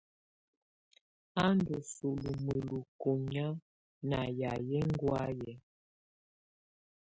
Á ndù sulù mǝlukù nyàà ná yayɛ ɛŋgɔ̀áyɛ.